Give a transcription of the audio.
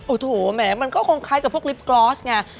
โอ้โหแหมมันก็คงคล้ายกับพวกลิฟต์กรอสไง